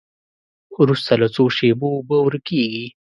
وروسته له څو شېبو اوبه ورکیږي.